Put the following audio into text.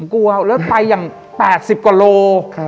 กลัวแล้วไปอย่าง๘๐โลกรัม